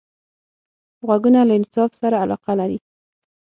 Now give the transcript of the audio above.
غوږونه له انصاف سره علاقه لري